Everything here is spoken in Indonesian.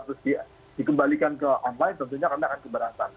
terus dikembalikan ke online tentunya kami akan keberatan